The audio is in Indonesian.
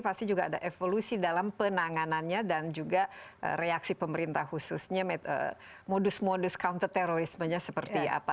pasti juga ada evolusi dalam penanganannya dan juga reaksi pemerintah khususnya modus modus counter terorismenya seperti apa